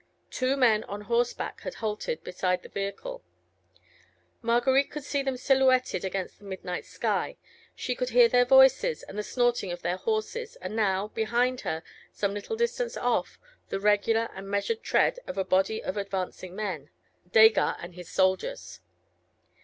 Two men on horseback had halted beside the vehicle. Marguerite could see them silhouetted against the midnight sky. She could hear their voices, and the snorting of their horses, and now, behind her, some little distance off, the regular and measured tread of a body of advancing men: Desgas and his soldiers.